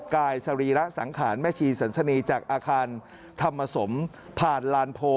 กายสรีระสังขารแม่ชีสันสนีจากอาคารธรรมสมผ่านลานโพ